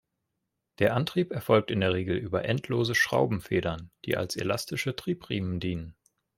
Der Antrieb erfolgt in der Regel über endlose Schraubenfedern, die als elastische Treibriemen dienen.